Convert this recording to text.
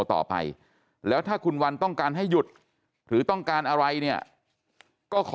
ต่อไปแล้วถ้าคุณวันต้องการให้หยุดหรือต้องการอะไรเนี่ยก็ขอ